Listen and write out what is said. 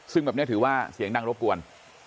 ซึ่งแบบนี้ถือว่าเสียงดังรบกวน